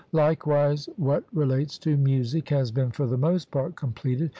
Likewise, what relates to music has been, for the most part, completed.